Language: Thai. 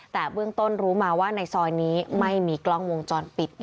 แต่เบื้องต้นรู้มาว่าในซอยนี้ไม่มีกล้องวงจรปิด